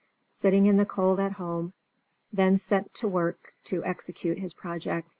sitting in the cold at home, then set to work to execute his project.